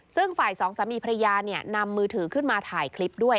ซึ่งฝ่ายสองสามีภรรยานำมือถือขึ้นมาถ่ายคลิปด้วย